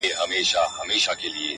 بختور به په دنیا کي د حیات اوبه چښینه،